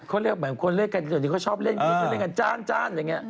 เขาเรียกเหมือนคนเล่นกันส่วนที่เขาชอบเล่นเขาเล่นกันจ้านอย่างนี้